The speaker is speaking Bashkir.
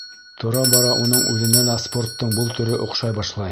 Тора-бара уның үҙенә лә спорттың был төрө оҡшай башлай.